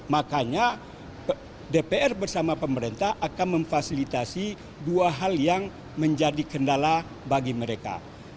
makanya dpr bersama pemerintah akan memfasilitasi dua hal yang menjadi kendala bagi mereka